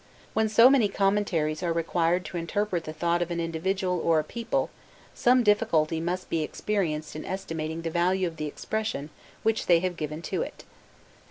When so many commentaries are required to interpret the thought of an individual or a people, some difficulty must be experienced in estimating the value of the expression which they have given to it.